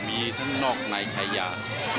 มีทั้งนอกในขยะ